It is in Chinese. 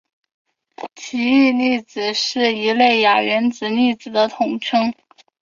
奇异粒子是一类亚原子粒子的统称。